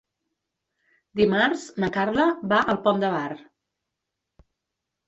Dimarts na Carla va al Pont de Bar.